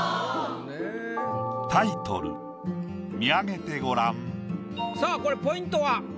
タイトルさあこれポイントは？